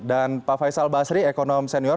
dan pak faisal basri ekonom senior